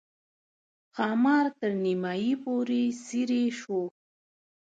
ښامار تر نیمایي پورې څېرې شو.